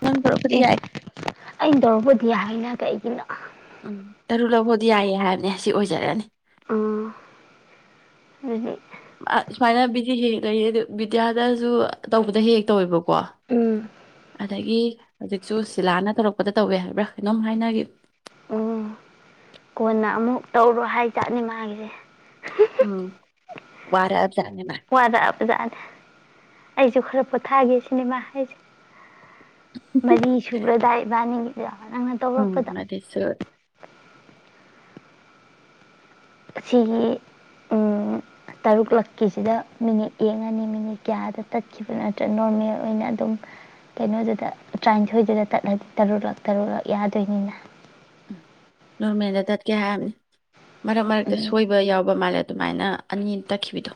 ꯅꯪ ꯇꯧꯔꯛꯄꯗꯤ ꯑꯦ ꯌꯥꯏ ꯑꯩꯅ ꯇꯧꯔꯨꯕꯨꯗꯤ ꯌꯥ ꯍꯥꯏꯅ ꯀꯩꯒꯤꯅꫭ ꯎꯝ ꯇꯔꯨꯛ ꯂꯛ ꯕꯨꯗꯤ ꯌꯥꯏꯌꯦ ꯍꯥꯏꯕꯅꯦ ꯁꯤ ꯑꯣꯏꯖꯔꯅꯤ ꯑ ꯑꯗꯨꯗꯤ ꯃ ꯁꯨꯃꯥꯏꯅ ꯕꯤꯖꯤ ꯍꯦꯛ ꯍꯦꯛ ꯂꯩꯌꯦ ꯑꯗꯨ ꯕꯤꯗ꯭ꯌꯥꯗꯁꯨ ꯇꯧꯕꯗ ꯍꯦꯛ ꯍꯦꯛ ꯇꯧꯋꯦꯕꯀꯣ ꯀꯣ ꯎꯝ ꯑꯗꯒꯤ ꯍꯧꯖꯤꯛꯁꯨ ꯁꯤꯂꯥꯅ ꯇꯧꯔꯛꯄꯗ ꯇꯧꯋꯦ ꯍꯥꯏꯕ꯭ꯔꯥ ꯀꯩꯅꯣꯝ ꯍꯥꯏꯅꯒꯤꯝꯅꯤ ꯎꯝ ꯀꯣꯟꯅ ꯑꯃꯨꯛ ꯇꯧꯔꯣ ꯍꯥꯏ ꯖꯥꯠꯅꯤ ꯃꯥꯒꯤꯁꯦ ꯎꯝ ꯋꯥꯔ ꯋꯥꯗꯕꯖꯥꯅꯦ ꯑꯩꯁꯨ ꯈꯔ ꯄꫭꯊꯥꯒꯦ ꯁꯤꯅꯦꯃꯥ ꯍꯥꯏꯁꯦ ꯃꯔꯤ ꯁꯨꯒ꯭ꯔꯗꯥꯏ ꯏꯕꯥꯅꯤ ꯎꯝ ꯃꯗꯤꯁꯨ ꯁꯤꯒꯤ ꯎꯝ ꯇꯔꯨꯛꯂꯛꯀꯤꯁꯤꯗ ꯃꯤꯅꯤꯠ ꯌꯦꯡꯉꯅꯤ ꯃꯤꯅꯤꯠ ꯀꯌꯥꯗ ꯇꯠꯈꯤꯕ ꯅꯠꯇ꯭ꯔꯒ ꯅꯣꯔꯃꯦꯜ ꯑꯣꯏꯅ ꯑꯗꯨꯝ ꯀꯩꯅꯣꯗꯨꯗ ꯇꯔꯥꯅꯤꯊꯣꯏꯗꯨꯗ ꯇꯠꯂꯗꯤ ꯇꯔꯨꯛꯂꯛ ꯇꯔꯨꯛꯂꯛ ꯌꯥꯗꯣꯏꯅꯤꯅ ꯅꯣꯔꯃꯦꯜꯗ ꯇꯠꯀꯦ ꯍꯥꯏꯔꯝꯃꯅꯤ ꯃꯔꯛ ꯃꯔꯛꯇ ꯎꯝ ꯁꯣꯏꯕ ꯌꯥꯎꯕ ꯃꯥꯜꯂꯦ ꯑꯗꯨꯃꯥꯏꯅ ꯑꯅꯤ ꯇꯛꯈꯤꯕꯤꯗꯣ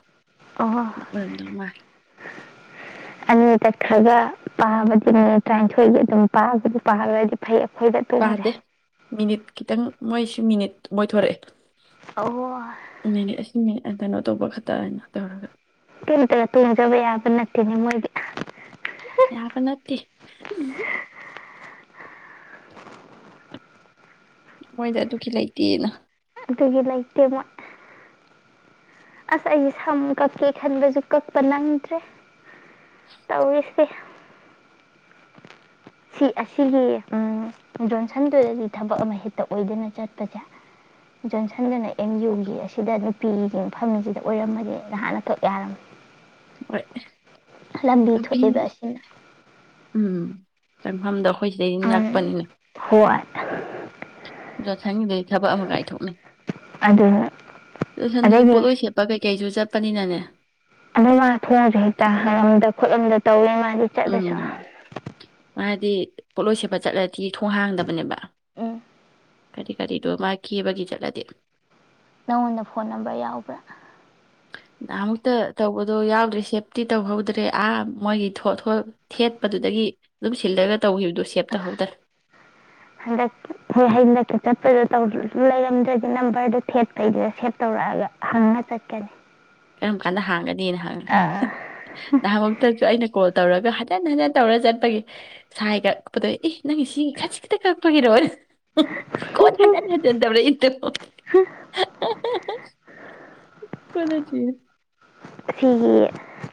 ꯑꯣ ꯑꯣꯏꯔꯝꯗꯧ ꯃꯥꯥꯏ ꯑꯅꯤ ꯇꯠꯈ꯭ꯔꯒ ꯄꯥꯕꯗꯤ ꯃꯤ ꯇꯔꯥꯅꯤꯊꯣꯏꯒꯤ ꯑꯗꯨꯝ ꯄꯥꯕꯗꯤ ꯄꯥꯔꯗꯤ ꯐꯩ ꯑꯩꯈꯣꯏꯗ ꯇꯣꯡꯖꯩ ꯄꯥꯗꯦ ꯃꯤꯅꯤꯠ ꯈꯤꯇꯪ ꯃꯣꯏꯁꯨ ꯃꯤꯅꯤꯠ ꯃꯣꯏ ꯊꫭꯔꯛꯑꯦ ꯑꯣ ꯃꯦꯅꯦ ꯑꯁꯤꯅꯦ ꯀꯩꯅꯣ ꯇꯧꯕ ꯈꯛꯇ ꯍꯥꯏꯅ ꯇꯧꯔꯒ ꯀꯩꯅ ꯇꯩꯔ ꯇꫭꯡꯖꯕ ꯌꯥꯕ ꯅꯠꯇꯦꯅꯦꯅꯤ ꯃꯣꯏꯗꯤ ꯌꯥꯕ ꯅꯠꯇꯦ ꯃꯣꯏꯗꯤ ꯑꯗꯨꯒꯤ ꯂꯩꯇꯦꯅ ꯑꯗꯨꯒꯤ ꯂꯩꯇꯦ ꯃꯣꯏ ꯑꯁ ꯑꯩꯁꯦ ꯁꯝ ꯀꯛꯀꯦ ꯈꯟꯕꯁꯨ ꯀꯛꯄ ꯅꯪꯗ꯭ꯔꯦ ꯇꯧꯔꯤꯁꯦ ꯁꯤ ꯑꯁꯤꯒꯤ ꯎꯝ ꯖꯣꯟꯁꯟꯗꯨꯗꯗꯤ ꯊꯕꯛ ꯑꯃ ꯍꯦꯛꯇ ꯑꯣꯏꯗꯅ ꯆꯠꯄꯁꯦ ꯖꯣꯟꯁꯟꯗꯨꯅ ꯑꯦꯝ ꯌꯨꯒꯤ ꯑꯁꯤꯗ ꯅꯨꯄꯤꯒꯤꯁꯤꯡ ꯐꯝꯃꯤꯁꯤꯗ ꯑꯣꯏꯔꯝꯃꯗꯤ ꯅꯍꯥꯟꯅ ꯀꯛ ꯌꯥꯔꯝꯅꯤ ꯍꯣꯏ ꯍꯂ ꯃꯤꯊ ꯅꯨꯄꯤ ꯑꯦꯕ ꯑꯁꯤꯅ ꯆꯪꯐꯝꯗꫭ ꯑꯩꯈꯣꯏ ꯁꯤꯗꯩꯗꯤ ꯎꯝ ꯅꯛꯄꯅꯤꯅ ꯍꯣꯏ ꯌꯥꯎꯁꯪꯒꯤꯗꯗꯤ ꯊꯕꯛ ꯑꯃ ꯀꯥꯏꯊꯣꯛꯅꯩ ꯑꯗꯨ ꯌꯥꯣꯁꯟꯗꯨꯗꯤ ꯑꯗꯩꯗꯤ ꯄꯣꯠꯂꯣꯏ ꯁꯦꯠꯄ ꯀꯩꯩ ꯀꯩꯁꯨ ꯆꯠꯄꯅꯤꯅꯅꯦ ꯑꯗꯨ ꯃꯥ ꯊꯣꯡꯁꯦ ꯍꯦꯛꯇ ꯍꯪꯉꯗ ꯈꯣꯠꯂꯝꯗ ꯇꯧꯋꯦ ꯃꯥ ꯔꯨꯆꯠ ꯆ ꯗꯤ ꯄꯣꯠꯂꯣꯏ ꯁꯦꯠꯄ ꯆꯠꯂꯗꯤ ꯊꯣꯡ ꯍꯥꯡꯗꯕꯅꯦꯕ ꯎꯝ ꯀꯔꯤ ꯀꯔꯤꯗꯣ ꯃꯥ ꯀꯦꯕꯒꯤꯤ ꯆꯠꯂꯗꯤ ꯅꯪꯉꯣꯟꯗ ꯐꯣꯟ ꯅꯝꯕꯔ ꯌꯥꯎꯕ꯭ꯔꯥ ꯍ ꯑꯃꯨꯛꯇ ꯇꯧꯕꯗꯣ ꯌꯥꯎꯗ꯭ꯔꯦ ꯁꯦꯞꯇꯤ ꯇꯧꯍꯧꯗ꯭ꯔꯦ ꯑꯥ ꯃꯣꯏꯒꯤ ꯊꯣꯠꯣ ꯊꯦꯠꯄꯗꯨꯗꯒꯤ ꯑꯗꯨꯝ ꯁꯤꯜꯂꯒ ꯇꯧꯈꯤꯕꯗꯣ ꯁꯦꯞ ꯇꯧꯍꯧꯗ꯭ꯔꯦ ꯍꯗ ꯍꯂꯀ ꯇ ꯂꯩꯔꯝꯗ꯭ꯔꯗꯤ ꯅꯝꯕꯔꯗꯨꯣ ꯐꯦ ꯀꯩꯗꯨꯗ ꯁꯦꯚ ꯇꯧꯔꯛꯑꯒ ꯍꯅ ꯆꯠꯀꯅꯤ ꯀꯔꯝ ꯀꯥꯟꯗ ꯍꯥꯡꯒꯅꯤ ꯅꯍꯥꯟ ꯑꯥ ꯅꯍꯥꯟꯃꯛꯇꯁꯨ ꯑꯩꯅ ꯀꯣꯜ ꯇꯧꯔꯒꯦ ꯍꯟꯖꯤꯟ ꯍꯟꯖꯤꯟ ꯇꯧꯔ ꯆꯠꯄꯒꯤ ꯁꯥꯏ ꯀꯛꯄꯗꯣ ꯑꯦ ꯅꯪꯒꯤ ꯁꯤ ꯈꯖꯤꯛ ꯈꯤꯇ ꯀꯛꯄꯒꯤꯔꯣ ꯀ ꯈꯇꯥꯇ ꯇ ꯏꯠꯇ ꯀꯗ ꯌꯦ ꯁꯤꯒꯤ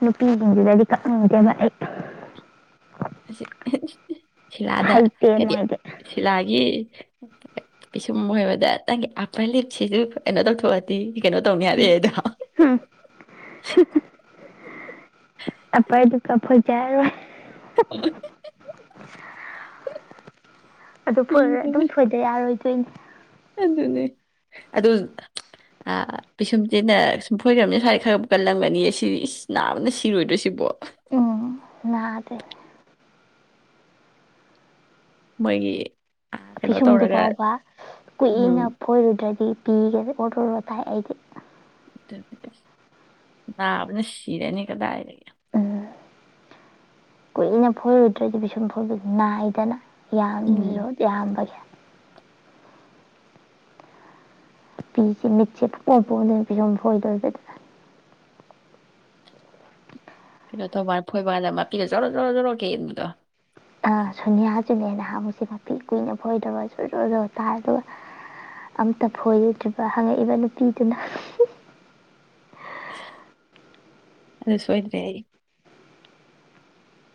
ꯅꯨꯄꯤꯁꯤꯡꯁꯤꯗꯗꯤ ꯀꯛꯅꯤꯡꯗꯦꯕ ꯑꯩ ꯑꯁꯤꯁ ꯁꯤꯂꯥꯗ ꯍꯩꯇꯦ ꯀꯗꯤ ꯃꯣꯏꯗꯤ ꯁꯤꯂꯥꯒꯤ ꯄꯤꯁꯨꯝ ꯑꯣꯏꯣꯏꯕꯗ ꯅꯪꯒꯤ ꯑꯄ ꯂꯤꯞꯁꯤꯁꯨ ꯀꯩꯅꯣ ꯇꯧꯊꯣꯛꯑꯗꯤ ꯀꯩꯅꯣ ꯇꯧꯅꯤ ꯍꯥꯏꯔꯛꯑꯦꯗꯣ ꯇꯄꯥꯏꯗꯨ ꯀꯞꯣꯏ ꯔ ꯑꯗꯨꯣꯏ ꯑꯗꯨꯝ ꯁꯤꯗꯅ ꯊꯣꯏꯗ ꯌꯥꯔꯣꯏ ꯇ ꯅꯦ ꯑꯗꯨ ꯄꯤꯁꯨꯝꯆꯦꯅ ꯁꯨꯝ ꯐꯣꯏꯗꯝꯅꯤ ꯁ꯭ꯋꯥꯏ ꯈꯔ ꯀꯜꯂꯝꯒꯅꯤ ꯁꯤ ꯏꯁ ꯅꯥꯕꯅ ꯁꯤꯔꯣꯏꯗꯣꯏ ꯁꯤꯕꯣ ꯅꯍꯥꯗꯤ ꯃꯥꯒꯤ ꯐꯤꯁꯨꯝꯗꯨ ꯐꯥꯎꯕ ꯎꯝ ꯀꯨꯏꯅ ꯐꯣꯏꯔꯨꯗ꯭ꯔꯗꯤ ꯄꯤꯒꯦꯁꯦ ꯑꯣꯔꯗꯔꯣ ꯇꯥꯏ ꯑꯩꯗꯤ ꯂꯕꯅ ꯁꯤꯤꯔꯅꯤ ꯀꯗꯥ ꯍꯥꯏꯔ ꯎꯝ ꯀꯨꯏꯅ ꯐꯣꯏꯔꯨꯗ꯭ꯔꯗꯤ ꯄꯤꯁꯁꯨꯝ ꯐꯣꯏꯕ ꯅꯥꯏꯗꯅ ꯎꯝ ꯌꯥꯝꯔꯣ ꯏꯌꯥꯝꯕꯒꯤ ꯄꯤꯁꯤꯦ ꯃꯤꯁꯦ ꯄꯄꯗꯅ ꯄꯤꯁꯨꯝ ꯍꯣꯏꯗꯣꯏꯕꯗ ꯀꯩꯅꯣ ꯇꯧ ꯃꯥꯔ ꯐꯣꯏꯕꯔꯗ ꯃꯥꯄꯤ ꯂ ꯆꯂꯣ ꯆꯂꯣ ꯆꯂꯣ ꯀꯩꯅꯤꯗꯣ ꯑ ꯁꯣꯅꯤꯌꯥꯁꯤꯅꯦ ꯅꯍꯃꯨꯛꯁ ꯃꯄꯤ ꯀꯨꯏꯅ ꯐꯣꯏꯗꯕꯖꯗꯣ ꯇꯥ ꯑꯗꯨꯒ ꯑꯝꯇ ꯐꯣꯏꯗ꯭ꯔꯤꯕ ꯍꯪꯉꯛꯏꯕ ꯅꯨꯄꯤꯗꯨꯅ ꯑꯗꯨ ꯁꯣꯏꯗ꯭ꯔꯦ ꯑꯩ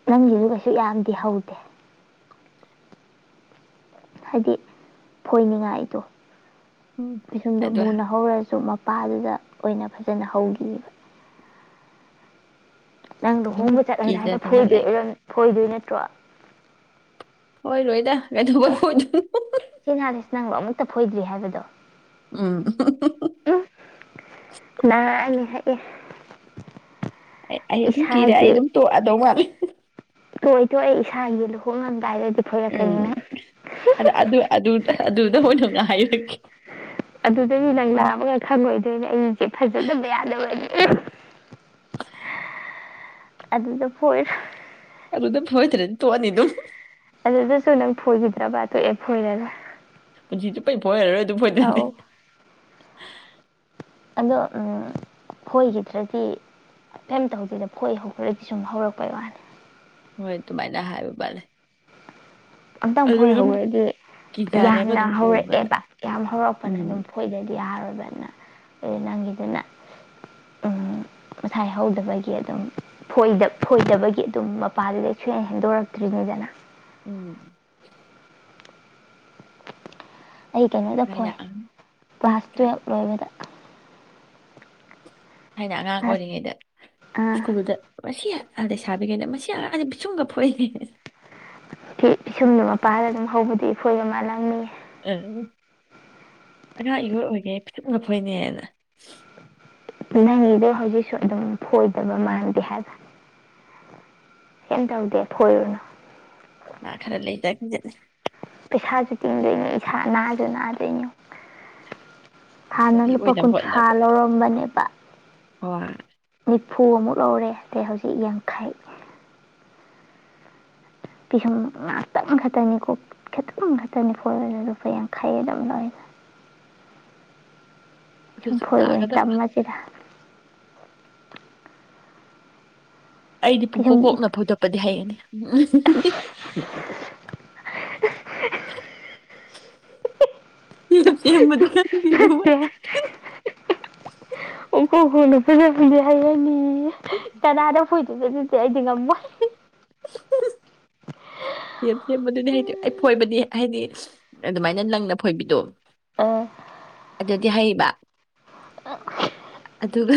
ꯅꯪꯒꯤꯁꯨ ꯀꯩꯁꯨ ꯌꯥꯝꯗꯤ ꯍꯧꯗꯦ ꯍꯥꯏꯗꯤ ꯐꯣꯏꯅꯤꯡꯉꯥꯏꯗꯣ ꯎꯝ ꯑꯨꯝꯗꯣ ꯑꯗꯨ ꯃꯨꯅ ꯍꯧꯔꯁꯨ ꯅꯨꯄꯥꯗꯨꯗ ꯑꯣꯏꯅ ꯐꯖꯅ ꯍꯧꯈꯤꯕ ꯅꯪ ꯂ ꯑꯗꯨꯝ ꯍꯣꯡꯕ ꯆꯠꯂꯅꯤ ꯍꯥꯏꯅ ꯀꯤꯖꯗꯅ ꯂꯩ ꯐꯣꯏꯗꯣꯏꯔ ꯐꯣꯏꯗꯣꯏ ꯅ ꯇ ꯍꯣꯏ ꯂꯣꯏꯗ ꯀ ꯊ ꯀꯣꯏ ꯐꯣ ꯍꯛꯇ ꯐꯣꯏꯗ꯭ꯔꯤ ꯍꯥꯏꯕꯗꯣ ꯑꯥ ꯎꯝ ꯅꯥꯉꯛꯑꯅꯤ ꯍꯥꯏꯥꯛ ꯑꯩ ꯑꯩ ꯑꯗꯨꯝ ꯀꯤꯔꯦ ꯑꯩ ꯑꯗꯨꯝ ꯇꯣꯛꯛꯑꯗꯧ ꯃꯥꯜꯂꯦ ꯇꯣꯏ ꯇꯣꯏ ꯑꯩ ꯏꯁꯥꯒꯤ ꯂꯨꯍꯣꯡꯉꯝꯗꯥ ꯍꯥꯏꯔꯗꯤ ꯎꯝ ꯑꯗ ꯑꯗꯨꯗ ꯍꯗꯣꯛꯅ ꯍꯥꯏꯔꯛꯀꯦ ꯎꯝ ꯁꯦ ꯐꯖꯗꯕ ꯌꯥꯗꯕꯅꯤ ꯑꯗꯨꯗ ꯐꯔ ꯑꯔꯨꯗꯝ ꯐꯣꯏ꯭ꯔꯦ ꯇꯣꯅꯤ ꯑꯗꯨ ꯑꯗꯨꯗꯁꯨ ꯅꯪ ꯐꯣꯏꯈꯤꯗ꯭ꯔꯕ ꯑꯗꯨ ꯑꯦꯞ ꯐꯣꯏꯔꯒ ꯄꯨꯣꯏꯖꯤꯗꯤ ꯄꯏꯣꯔ ꯑꯗꯨꯕꯨ ꯅꯠꯇꯦ ꯑꯗꯣ ꯐꯣꯏꯈꯤꯗ꯭ꯔꯗꯤꯐꯩꯝꯇ ꯍꯧꯧꯗꯦꯗ ꯐꯣꯏ ꯍꯧꯈ꯭ꯔꯗꯤ ꯁꯨꯝ ꯍꯧꯔꯛꯄꯩ ꯋꯥꯅꯤ ꯍꯣꯏ ꯇꯃꯥꯏꯅ ꯍꯥꯏꯕꯕꯦ ꯑꯝꯇꯪ ꯐꯣꯏ ꯍꯧꯔꯗꯤ ꯀꯤꯖꯔꯦꯕ ꯌꯥꯝꯅ ꯑꯗꯨꯝ ꯎꯕꯗ ꯍꯧꯔꯛꯑꯦꯕ ꯌꯥꯝ ꯍꯧꯔꯛꯄꯅ ꯎꯝ ꯑꯗꯨꯝ ꯐꯣꯏꯗꯗꯤ ꯌꯥꯔꯣꯏꯕꯅ ꯑꯗꯨ ꯅꯪꯒꯤꯗꯨꯅ ꯉꯁꯥꯏꯍꯗꯕꯒꯤ ꯑꯗꯨꯝ ꯐꯣꯏꯗꯕꯒꯤ ꯑꯗꯨꯝ ꯃꯄꯥꯥꯟꯗꯨꯗꯩ ꯁꯣꯏꯅ ꯍꯦꯟꯗꯣꯔꯛꯇ꯭ꯔꯤꯅꯤꯗꯅ ꯎꯝ ꯑꯩ ꯀꯩꯅꯣꯗ ꯐꯣꯏ ꯊꯥꯏꯅ ꯀ꯭ꯂꯥꯁ ꯀꯥꯏꯗ ꯇꯨꯌꯦꯜꯞ ꯂꯣꯏꯕꯗ ꯍꯥꯏꯅ ꯑꯉꯥꯡ ꯀ꯭ꯂꯥꯁ ꯑꯣꯏꯔꯤꯉꯩꯗ ꯁ꯭ꯀꯨꯜꯗ ꯃꯁꯤ ꯑꯥꯗꯩ ꯁꯥꯕꯤꯈꯩꯗ ꯃꯁꯤ ꯑꯗꯤ ꯄꯤꯁꯨꯡꯒ ꯐꯣꯛꯏꯅꯦ ꯏꯁꯤꯁꯨꯝꯗꯨ ꯃꯄꯥꯥꯟꯗ ꯑꯗꯨꯝ ꯍꯧꯕꯗꯤ ꯑꯩꯈꯣꯏꯒ ꯃꯥ ꯂꯪꯅꯤ ꯎ ꯉꯉꯥꯡ ꯏꯍꯣꯏ ꯑꯣꯏꯒꯦ ꯐꯤꯤꯁ ꯃꯈꯣꯏꯅꯦꯅ ꯅꯪꯒꯤꯗꯣ ꯍꯧꯖꯤꯛꯁꯨ ꯑꯗꯨꯝ ꯐꯣꯏꯗꯕ ꯃꯥꯟꯗꯦ ꯍꯥꯏꯕ ꯀꯩ ꯇꯧꯗꯦ ꯊꯣꯏꯔꯨꯅꯨ ꯃꯥ ꯈꯔ ꯂ ꯂꯩꯇꯀꯗꯦꯅꯦ ꯏꯁꯥꯁꯨ ꯇꯤꯡꯗꯣꯏꯅꯤ ꯏꯁꯥ ꯅꯥꯁꯨ ꯅꯥꯗꯣꯏꯅꯤ ꯍꯥꯟꯅ ꯐꯖꯕꯤ ꯂꯨꯄꯥ ꯑꯣꯏꯅꯕ ꯀꯨꯟꯊ꯭ꯔꯥ ꯍꯣꯠꯅꯕ ꯂꯧꯔꯝꯕꯅꯦꯕ ꯍꯣꯏ ꯐꯨ ꯑꯃꯨꯛ ꯂꯧꯔꯦ ꯑꯗꯩ ꯍꯧꯖꯤꯛ ꯌꯥꯡꯈꯥꯏ ꯄꯤꯐꯝ ꯉꯥꯛꯇꯪ ꯈꯛꯇꯅꯤꯀꯣ ꯈꯤꯇꯪ ꯑꯃ ꯈꯛꯇꯅꯤ ꯐꯣ ꯂꯨꯄꯥ ꯌꯥꯡꯈꯩ ꯑꯗꯨꯝ ꯂꯥꯛꯏꯁ ꯑꯗꯨꯁꯨ ꯆꯨꯝꯐꯣꯏꯕ ꯇꯞ ꯅꯥꯒꯗꯕ ꯃꯆꯦꯥ ꯑꯩꯗꯤ ꯄꯤꯁꯨꯝ ꯄꯨꯡꯀꯣꯛ ꯀꯣꯛꯅ ꯐꯣꯏꯗꯣꯛꯄꯗꯤ ꯍꯩꯒꯅꯤ [inaudible] [inaudible] ꯁ ꯌꯥꯝ ꯃꯅꯤꯗ ꯐꯖ ꯐꯗꯤꯦ ꯍꯥꯏꯔꯅꯤ ꯀꯅꯥꯗꯣ ꯐ ꯑꯗꯨꯗ ꯑꯗꯨꯗꯤ ꯑꯩꯗꯤ ꯉꯝꯃꯣꯏ [inaudible] ꯁꯦꯝ ꯁꯦꯝꯕꯗꯨꯗꯤ ꯍꯥꯏꯗꯤ ꯑꯩ ꯐꯣꯏꯕꯗꯤ ꯍꯥꯏꯗꯤ ꯑꯗꯨꯃꯥꯏꯅ ꯅꯪꯅ ꯐꯣꯏꯕꯤꯗꯣ ꯑꯥ ꯑꯗꯨꯗꯤ ꯍꯥꯏꯔꯤꯕ ꯑ ꯑꯗꯨꯒ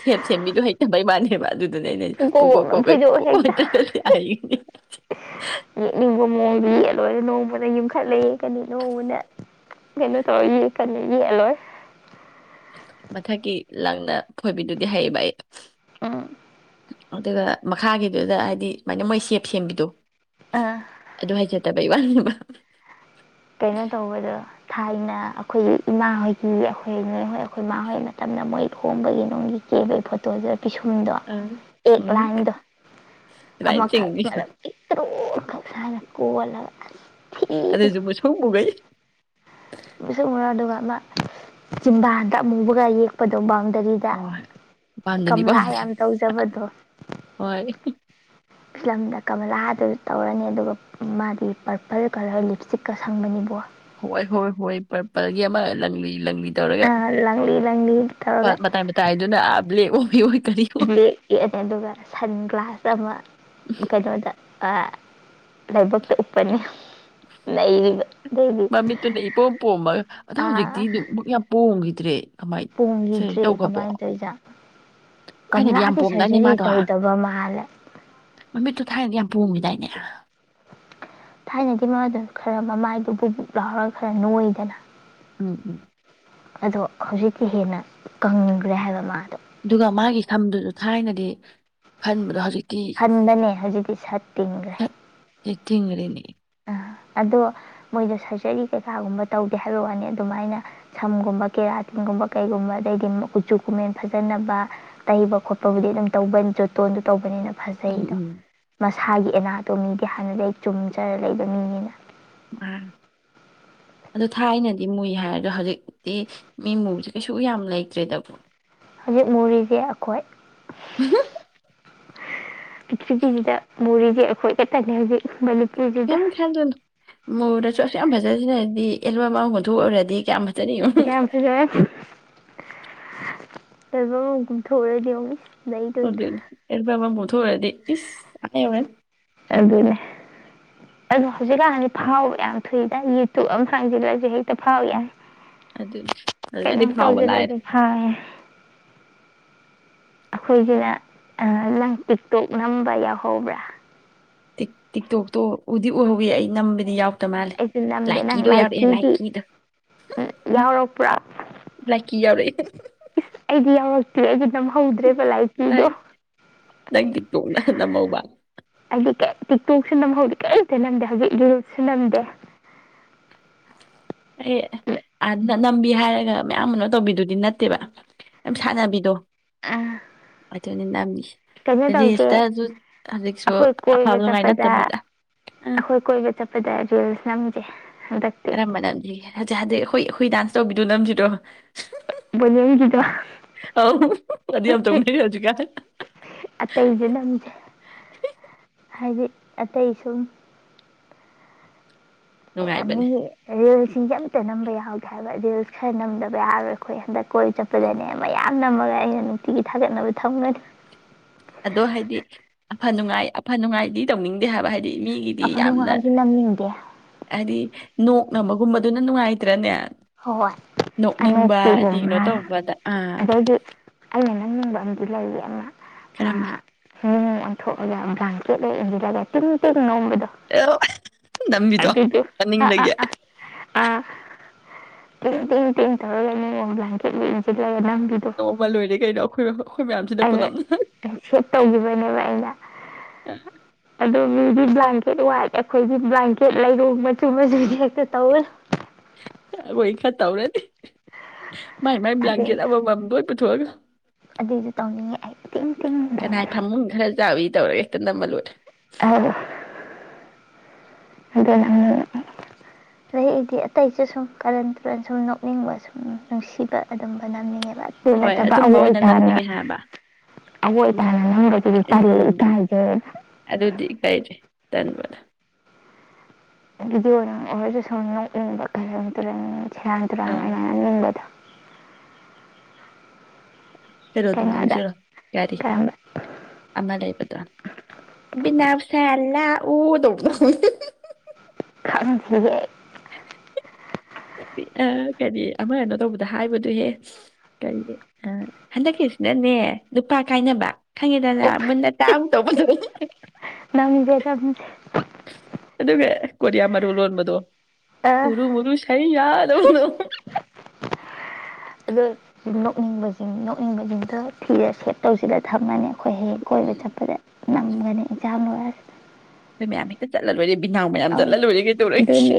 ꯈꯦꯞ ꯁꯦꯝꯕꯤꯗꯣ ꯍꯩꯇꯕꯩ ꯃꯥꯅꯦꯕ ꯑꯗꯨꯗꯨꯅꯦ ꯑꯩꯅ ꯎꯪꯈꯣꯛ ꯄꯨꯀꯣꯛ ꯈꯣꯡꯅ ꯀꯣꯛꯈꯩ ꯐꯣꯏꯗꯣꯛꯑꯣ ꯄ ꯍꯦꯛꯇ ꯍꯥꯏꯈꯤꯅꯤ ꯌꯦꯛꯅꯤꯡꯕ ꯃꯑꯣꯡꯗ ꯌꯦꯛꯂꯣꯏ ꯅꯣꯡꯃꯗ ꯌꯨꯝꯈꯠꯂ ꯌꯦꯛꯀꯅꯤ ꯅꯣꯡꯃꯅ ꯀꯩꯅꯣ ꯇꯧꯔ ꯌꯦꯛꯀꯅꯤ ꯌꯦꯛꯂꯣꯏ ꯃꯊꯒꯤ ꯂꯪꯅ ꯐꯣꯏꯕꯤꯗꯨꯗꯤ ꯍꯩꯌꯦꯕ ꯑꯩ ꯑꯥ ꯑꯗꯨꯒ ꯃꯈꯥꯒꯤꯗꯨꯗ ꯍꯥꯏꯗꯤ ꯁꯨꯃꯥꯏꯅ ꯃꯣꯏ ꯁꯦꯞ ꯁꯦꯝꯕꯤꯗꯣ ꯑꯥ ꯑꯗꯨ ꯍꯥꯏꯖꯗꯕꯩ ꯋꯥꯕ ꯀꯩꯅꯣ ꯇꯧꯕꯗꯣ ꯊꯥꯏꯅ ꯑꯩꯈꯣꯏꯒꯤ ꯏꯃꯥ ꯍꯣꯏꯒꯤ ꯑꯩꯈꯣꯏꯣꯏ ꯑꯩꯈꯣꯏ ꯃꯥꯥ ꯍꯣꯏ ꯃꯇꯝꯗ ꯃꯣꯏ ꯊꯣꯡꯝꯕꯒꯤ ꯅꯅꯨꯡꯒꯤ ꯀꯦꯕꯒꯤ ꯐꯣꯇꯣꯁ ꯄꯤꯁꯨꯝꯗꯣ ꯑꯥ ꯑꯦꯛ ꯎꯝ ꯂꯥꯏꯟꯗꯣ ꯑꯗꯨꯃꯥꯏꯅ ꯑꯃꯈꯛ ꯆꯤꯡꯉꯤꯗꯣ ꯀꯂ ꯍꯝ ꯍꯃꯒꯩ ꯃꯤꯁꯛ ꯎꯨꯔ ꯑꯗꯨꯒ ꯃꯥ ꯆꯖꯤꯝꯕꯥꯗ ꯑꯃꯨꯕꯒ ꯌꯦꯛꯄꯗꯣ ꯃꯥꯡꯖ ꯀꯔꯤꯗ ꯍꯣꯏ ꯄꯥꯝꯗꯅꯤ ꯀꯂꯥ ꯄꯥꯝꯗꯅꯤ ꯌꯥꯝ ꯇꯧꯖꯕꯗꯣ ꯍꯣꯏ ꯐꯤꯂꯝꯗ ꯀꯃꯂꯥꯗ ꯇꯧꯔꯅꯤ ꯑꯗꯨꯒ ꯃꯥꯗꯤ ꯄꯔꯄꯜ ꯀꯂꯔ ꯂꯤꯞꯁꯇꯤꯛꯀ ꯁꯪꯕꯅꯤꯕꯣ ꯍꯣꯏ ꯍꯣꯏ ꯍꯣꯏ ꯄꯔꯒꯤ ꯑꯃ ꯂꯪꯂꯤ ꯂꯪꯕꯤ ꯇꯧꯔꯒ ꯂꯪꯂꯤ ꯂꯪꯂꯤ ꯇꯧꯔꯒ ꯃꯇꯥꯏ ꯃꯇꯥꯏꯗꯨꯅ ꯭ꯂ ꯑꯣꯏ ꯀꯔꯤ ꯑꯣꯏ ꯑꯗꯨꯒꯒ ꯁꯟ ꯒ꯭ꯂꯥꯁ ꯑꯃ ꯀꯩꯅ ꯑꯣꯏꯗ ꯂꯥꯏꯕꯛꯇ ꯎꯞꯄꯅꯤ ꯂꯩꯔꯤꯕ ꯃꯃꯤꯠꯇꯨꯅ ꯏꯄꯣꯝ ꯄꯣꯝꯃꯒ ꯑꯗ ꯍꯧꯖꯤꯛꯇꯤ ꯨꯛ ꯌꯥꯝ ꯄꯣꯝꯈꯤ ꯇ꯭ꯔꯦ ꯄꯣꯡꯈꯤꯗ꯭ꯔꯦ ꯀꯃꯥꯏꯅ ꯇꯧꯔꯤꯖ ꯊꯥꯏꯅꯗꯤ ꯌꯥꯝ ꯀꯪꯂꯥꯗꯤ ꯄꯣꯝꯗꯥꯏꯅꯦ ꯁꯔꯖꯔꯤ ꯃꯥꯗꯣ ꯇꯧꯗꯕ ꯃꯥꯜꯂꯦ ꯨꯃꯤꯗꯥꯅꯤꯅ ꯊꯥꯏꯅꯗꯤ ꯃꯗ ꯈꯔ ꯃꯃꯥꯏꯗꯨ ꯕꯨꯛ ꯕꯨꯛ ꯂꯥꯎꯔꯒ ꯈꯔ ꯅꯣꯏꯗꯅ ꯎꯝ ꯎꯝ ꯑꯗꯣ ꯍꯧꯖꯤꯛꯇꯤ ꯍꯦꯟꯅ ꯀꯪꯈ꯭ꯔꯦ ꯍꯥꯏꯕ ꯃꯥꯜꯂꯦ ꯊꯝꯗꯨꯁꯨ ꯊꯥꯏꯅꯗꯤ ꯈꯟꯕꯗꯣ ꯍꯧꯖꯤꯛ ꯍꯟꯕꯅꯦ ꯍꯧꯖꯤꯛꯇꯤ ꯁꯠ ꯇꯤꯡꯈ꯭ꯔꯦ ꯊꯦꯡ ꯈꯔꯦꯅꯦ ꯑꯗꯣ ꯃꯣꯏꯗꯣ ꯁꯔꯖꯔꯤ ꯀꯩꯀꯥꯒꯨꯝꯕ ꯇꯧꯗꯦ ꯍꯥꯏꯕ ꯋꯥꯅꯤ ꯑꯗꯨꯃꯥꯏꯅ ꯁꯝꯒꯨꯝꯕ ꯀꯦꯔꯥꯇꯤꯟꯒꯨꯝꯕ ꯀꯩꯒꯨꯝꯕ ꯑꯗꯩꯗꯤ ꯎꯆꯆꯨ ꯀꯨꯃꯦꯟ ꯐꯖꯅꯕ ꯇꯩꯕ ꯈꯣꯠꯄꯕꯨꯗꯤ ꯑꯗꯨꯝ ꯇꯧꯕ ꯖꯣꯇꯣꯟꯗꯨ ꯇꯧꯕꯅꯤꯅ ꯎꯝ ꯐꯖꯩꯗꯣꯁ ꯎꯝ ꯏꯁꯥꯒꯤ ꯑꯦꯅꯥꯇꯣꯃꯤꯗꯤ ꯍꯥꯟꯅꯗꯤ ꯑꯩ ꯆꯨꯝꯗ ꯆꯥꯏꯔ ꯂꯩꯏꯕ ꯃꯤꯅꯤꯅ ꯑ ꯑꯗꯨ ꯊꯥꯏꯅꯗꯤ ꯃꯨꯏ ꯍꯥꯏꯔꯗꯣ ꯍꯧꯖꯤꯛꯇꯤ ꯃꯤ ꯃꯨꯕꯁꯦ ꯀꯩꯁꯨ ꯌꯥꯝ ꯂꯩꯇ꯭ꯔꯦꯗꯕꯣ ꯍꯧꯖꯤꯛ ꯃꯣꯔꯤꯁ ꯑꯩꯈꯣꯏ ꯎꯝ ꯄꯤꯔꯤꯊꯤꯕꯤꯁꯤꯗ ꯃꯣꯔꯤꯁꯦ ꯑꯩꯈꯣꯏ ꯈꯛꯇꯅꯦ ꯍꯧꯖꯤꯛ ꯃꯅꯤꯄꯨꯔꯁꯤꯗ ꯀꯤꯝ ꯃꯣꯔꯁꯨ ꯑꯁꯨꯛ ꯌꯥꯝ ꯐꯖꯁꯤꯅꯗꯤ [unintelligible] ꯍꯟꯊꯣꯛ ꯑꯣꯏꯔꯗꯤ ꯀꯌꯥꯝ ꯐꯖꯅꯤ ꯌꯦꯡꯉꯨ ꯀꯌꯥꯝꯁꯨꯖ ꯑꯦ ꯊꯔꯗꯤ ꯃꯤ ꯗ ꯑꯦꯔ ꯕ ꯃ [unintelligible] ꯊꯨꯔꯗꯤ ꯏꯁ ꯑꯥ ꯌꯧꯔꯅꯤ ꯑꯗꯨꯅꯦ ꯑꯗꯣ ꯍꯧꯖꯤꯛꯀꯥꯟꯗꯤ ꯐꯥꯎꯕ ꯌꯥꯝ ꯊꯨꯏꯗ ꯌꯨꯇ꯭ꯌꯨꯕ ꯑꯃ ꯐꯪꯁꯤꯜꯂꯁꯨ ꯍꯦꯛꯇ ꯐꯥꯎ ꯌꯥꯅꯤ ꯑꯗꯨꯅꯤ ꯍꯧꯖꯤꯛꯀꯥꯟꯗꯤ ꯀꯩꯅꯣꯝ ꯐꯥꯎꯕ ꯇꯧꯁꯤ ꯂꯥꯏꯔꯦ ꯇꯧꯁꯨ ꯐꯥꯏꯦ ꯑꯩꯈꯣꯏꯒꯤꯅ ꯂꯪ ꯄꯤꯛꯇꯣꯛ ꯅꯝꯕ ꯌꯥꯎꯍꯧꯕ꯭ꯔꯥ ꯇ ꯇꯤꯛꯇꯣꯛꯇꯣ ꯎꯗꯤ ꯑꯣꯏꯍꯧꯒꯦ ꯑꯩ ꯅꯝꯕꯗꯤ ꯌꯥꯎ ꯑꯩꯁꯨ ꯅꯝꯗꯦ ꯅꯪ ꯂꯥꯏꯛꯀꯤꯗꯤ ꯎ ꯌꯥꯎꯔꯛꯄ꯭ꯔꯥ ꯂꯥꯏꯀꯤ ꯌꯥꯎꯔꯛꯑꯦ ꯏꯁ ꯑꯩꯗꯤ ꯌꯥꯎꯔꯛꯇꯦ ꯑꯩꯗꯤ ꯅꯝꯍꯧꯗ꯭ꯔꯦꯕ ꯂꯥꯏꯆꯤꯗꯣ ꯂꯥꯏ ꯅꯪ ꯇꯤꯛꯇꯣꯛꯅ ꯅꯝꯍꯧꯕ ꯑꯩꯗꯤ ꯀꯩ ꯇꯤꯛꯇꯣꯛꯁꯨ ꯅꯝꯍꯧꯗꯦ ꯀꯔꯤꯝꯇ ꯅꯝꯗꯦ ꯍꯧꯖꯤꯛ ꯏꯨꯁꯨ ꯅꯝꯗꯦ ꯑꯦ ꯅꯝꯕꯤ ꯍꯥꯏꯔꯒ ꯃꯌꯥꯝ ꯃꯅ ꯇꯧꯕꯤꯗꯨꯗꯤ ꯅꯠꯇꯦꯕ ꯌꯥꯝ ꯁꯥꯟꯅꯕꯤꯗꯣ ꯑ ꯑꯗꯨꯅꯦ ꯅꯝꯃꯤꯁꯤ ꯀꯩꯅꯣ ꯇꯧꯁꯦ ꯑꯩꯈꯣꯏ ꯀꯣꯏꯕ ꯑꯐꯕ ꯅꯨꯡꯉꯥꯏ ꯆꯠꯄꯗ ꯅꯠꯇꯕꯤꯗ ꯑ ꯑꯩꯈꯣꯏ ꯀꯣꯏꯕ ꯆꯠꯄꯗ ꯔꯤꯜꯁ ꯅꯝꯁꯦ ꯍꯟꯗꯛꯇꯤ ꯀꯔꯝꯕ ꯅꯥ ꯍꯧꯖꯤꯛ ꯍꯥꯏꯗꯗꯤ ꯍꯣꯏ ꯍꯈꯣꯏ ꯗꯥꯟꯁ ꯇꯧꯕꯤꯗꯣ ꯅꯝꯁꯤꯔꯣ ꯖꯕꯤ ꯆꯗ ꯑ ꯑ ꯑꯃ ꯆꯔ ꯆꯀ ꯑꯇꯩꯁꯨ ꯅꯝꯁꯦ ꯍꯥꯏꯗꯤ ꯑꯇꯩ ꯁꯨꯝ ꯅꯨꯡꯉꯥꯏꯕꯅꯦ ꯌꯥꯝꯅꯤ ꯑꯦ ꯁꯤ ꯑꯝꯇ ꯅꯝꯕ ꯌꯥꯎꯗꯦ ꯍꯥꯏꯕ ꯔꯤꯜꯁ ꯈꯔ ꯅꯝꯗꯕ ꯌꯥꯔꯔꯣꯏ ꯑꯩꯈꯣꯏ ꯍꯟꯗꯛ ꯀꯣꯏ ꯆꯠꯄꯗꯅꯦ ꯃꯌꯥꯝ ꯅꯝꯃꯒ ꯑꯩꯅ ꯅꯨꯡꯇꯤꯒꯤ ꯊꯥꯒꯠꯅꯕ ꯊꯧꯅꯔꯤ ꯑꯗꯣ ꯍꯥꯏꯗꯤ ꯑꯐ ꯅꯨꯡꯉꯥꯏ ꯑꯐ ꯅꯨꯡꯉꯥꯏꯗꯤ ꯇꯧꯅꯤꯡꯗꯦ ꯍꯥꯏꯕ ꯍꯥꯏꯗꯤ ꯍꯥꯏꯗꯤ ꯃꯤꯒꯤꯗꯤ ꯑꯐ ꯌꯥꯝꯅ ꯅꯨꯡꯉꯥꯏꯗꯤ ꯅꯝꯅꯤꯡꯗꯦ ꯍꯥꯏꯗꯤ ꯅꯣꯛꯅꯕꯒꯨꯝꯕꯗꯨꯅ ꯅꯨꯡꯉꯥꯏꯇ꯭ꯔꯅꯦ ꯍꯣꯏ ꯅꯣꯛꯅꯤꯡꯕ ꯑꯅꯣꯛꯄꯤꯒ ꯍꯥꯏꯗꯤ ꯀꯩꯅꯣ ꯑꯃ ꯇꯧꯕꯗ ꯑꯥ ꯑꯗꯩꯗꯤ ꯑꯩꯅ ꯅꯪꯅꯤꯡꯕ ꯑ ꯂꯩꯥꯏꯔꯤ ꯑꯃ ꯈꯔꯝꯕ ꯣꯡ ꯑꯣꯟꯊꯣꯛꯑꯒ ꯕ꯭ꯂꯥꯟꯀꯦꯠꯂ ꯏꯟꯁꯤꯜꯂꯒ ꯇꯤ ꯇꯤ ꯅꯝꯕꯤꯗꯣ ꯑꯗꯨ ꯑ ꯑ ꯃꯅꯤꯡꯗꯒꯤ ꯑ ꯑ ꯇ ꯇꯧꯔꯒꯅꯤ ꯭ꯂꯀꯦꯠ ꯅꯣꯡꯃ ꯂꯣꯏꯔꯦ ꯀꯩꯅꯣ ꯑꯩꯈꯣꯏꯣꯏ ꯑꯩꯅ ꯍꯦꯞ ꯇꯧꯈꯤꯕꯅꯦꯕ ꯑꯩꯅ ꯗꯤ ꯕ꯭ꯂꯥꯡꯀꯦꯠ ꯋꯥꯏꯠ ꯑꯩꯈꯣꯏꯗꯤ ꯕ꯭ꯂꯥꯡꯀꯦꯠ ꯂꯩꯔꯨ ꯃꯆꯨ ꯃꯆꯨꯗꯤ ꯍꯦꯛꯇ ꯇꯧꯋ ꯑꯣꯏꯣꯏ ꯈ ꯇꯧꯔꯗꯤ ꯃꯥꯏ ꯑꯗꯩ ꯃꯥꯥꯏꯕ꯭ꯂꯒꯦꯗꯗ ꯒ ꯑꯗꯨꯏꯁꯨ ꯇꯧꯅꯤꯡꯉꯦ ꯑꯩ ꯏꯦꯡꯤ ꯀꯅꯥꯥꯏ ꯐꯃꯨꯡ ꯈꯔ ꯆꯥꯕ ꯇꯧꯔꯒꯦ ꯍꯦꯛꯇ ꯅꯃ ꯂꯣꯦ ꯑ ꯑꯗꯨ ꯑꯩꯗꯤ ꯑꯇꯩꯁꯨ ꯁꯨꯝ ꯀꯔꯟ ꯇꯨꯔꯟ ꯁꯨꯝ ꯅꯣꯛꯅꯤꯡꯕ ꯁꯨꯝ ꯅꯨꯡꯁꯤꯕ ꯑꯗꯨꯝꯕ ꯅꯝꯅꯤꯡꯉꯦꯕ ꯠꯇ ꯍꯣꯏ ꯅꯠꯇꯕ ꯑꯗꯨꯝꯕ ꯑꯋꯣꯏ ꯑꯣꯏꯅ ꯇꯥꯅ ꯅꯝꯅꯤꯡꯉꯦ ꯍꯥꯏꯕ ꯑꯋꯣꯏ ꯇꯥꯅ ꯅꯔꯒꯗꯤ ꯎꯝ ꯎꯇꯥꯏꯁꯦ ꯟꯕꯗ ꯑꯗꯨꯗꯤ ꯑꯣꯏꯔ ꯑꯣꯁꯨ ꯁꯅ ꯎ ꯀ ꯇꯔ ꯆꯦꯔꯥꯡ ꯆꯨꯔꯥꯟ ꯑꯥ ꯑꯗꯨꯅ ꯅꯤꯡꯕꯗꯣ ꯐꯔꯣ ꯑꯗꯨ ꯀꯩꯅꯣꯗ ꯅꯣꯝꯖꯔꯣ ꯌꯥꯔꯤ ꯀꯔꯝꯕ ꯑꯃ ꯂꯩꯕꯗ꯭ꯔꯥꯅꯥ ꯑꯣ ꯇ ꯎ ꯈꯪ ꯊꯦ ꯑ ꯀꯔꯤ ꯑꯃ ꯀꯩꯅꯣ ꯇꯧꯕꯗ ꯍꯥꯏꯕꯗꯨꯍꯦ ꯀꯔꯤ ꯑ ꯍꯟꯗꯛꯀꯤꯁꯤꯅꯅꯦ ꯅꯨꯄꯥ ꯀꯥꯏꯅꯕ ꯈꯪꯉꯦꯗꯅ ꯑꯣ ꯃꯨꯟꯅ ꯇꯥꯡ ꯇꯧꯕꯗ ꯅꯃꯤꯗ ꯆꯝ ꯑꯗꯨꯒ ꯀꯔꯤꯌꯥ ꯃꯔꯑꯣꯜ ꯑꯣꯟꯕꯗꯣ [inaudible] ꯑ [inaudible] ꯎꯔꯨ ꯎꯔꯨ ꯁꯥꯏ ꯌꯥꯗ ꯑꯅꯣ ꯑꯗꯣ ꯅꯣꯛꯅꯤꯡꯕꯁꯤꯡ ꯅꯣꯛꯅꯤꯡꯕꯁꯤꯡꯗ ꯊꯤꯔꯦ ꯁꯦꯞ ꯇꯧꯁꯤꯂ ꯊꯝꯃꯅꯦ ꯑꯩꯈꯣꯏ ꯍꯦꯛ ꯀꯣꯏꯕ ꯎꯝ ꯆꯠꯄꯗ ꯅꯝꯒꯅꯤ ꯏꯟꯥꯡ ꯂꯔꯁ ꯆꯂꯣꯏ ꯃꯤꯅꯥꯎ ꯃꯌꯥꯝ ꯆꯠꯂ ꯂꯣꯏꯔꯦ ꯀꯩꯗꯧꯔꯛꯈꯤ ꯑꯗꯨꯅꯤ